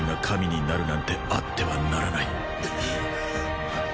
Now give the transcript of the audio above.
神になるなんてあってはならない